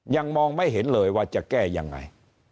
ยังมองไม่เห็นเลยว่าจะแก้ยังไง